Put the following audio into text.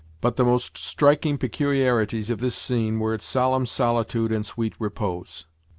But the most striking peculiarities of this scene were its solemn solitude and sweet repose.